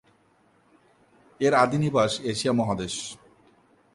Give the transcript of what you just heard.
এর আদিনিবাস এশিয়া মহাদেশ।